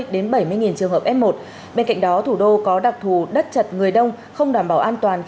đến bảy mươi trường hợp f một bên cạnh đó thủ đô có đặc thù đất chật người đông không đảm bảo an toàn